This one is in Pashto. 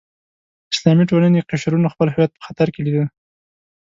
اسلامي ټولنې قشرونو خپل هویت په خطر کې لیده.